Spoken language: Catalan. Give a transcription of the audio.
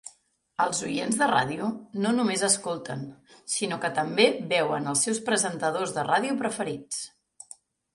Els oients de ràdio no només escolten, sinó que també veuen els seus presentadors de ràdio preferits.